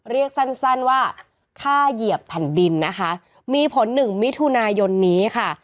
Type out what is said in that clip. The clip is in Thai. เรียกสั้นสั้นว่าค่าเหยียบแผ่นดินนะคะมีผลหนึ่งมิถุนายนนี้ค่ะ